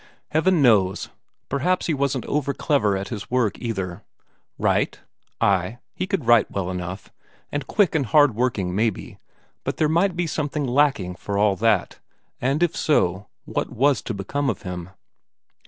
Heaven knows perhaps he wasn't over clever at his work either. Write? ay, he could write well enough, and quick and hard working maybe, but there might be something lacking for all that. And if so, what was to become of him?